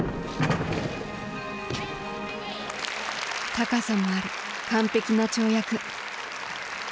高さもある完璧な跳躍。